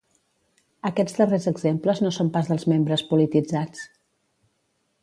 Aquests darrers exemples no són pas dels membres polititzats.